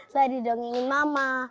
selalu didongengin mama